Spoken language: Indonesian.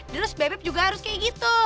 terus bebek juga harus kayak gitu